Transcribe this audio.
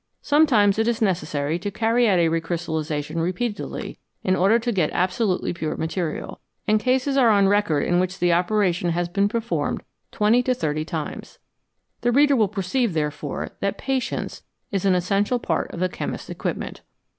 Some times it is necessary to carry out a recrystallisation repeatedly in order to get absolutely pure material, and cases are on record in which the operation has been performed twenty to thirty times. The reader will perceive, therefore, that patience is an essential part of the chemist's equipment.